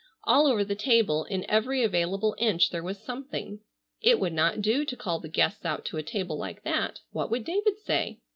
All over the table in every available inch there was something. It would not do to call the guests out to a table like that. What would David say?